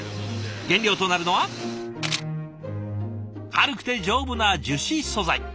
原料となるのは軽くて丈夫な樹脂素材。